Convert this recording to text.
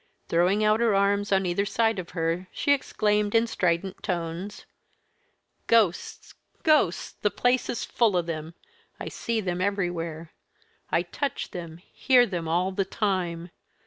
Throwing out her arms on either side of her, she exclaimed in strident tones: "Ghosts! Ghosts! The place is full of them I see them everywhere. I touch them, hear them all the time.